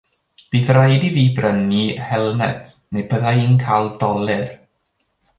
Bydd rhaid i fi brynu helmed neu bydda i'n cael dolur.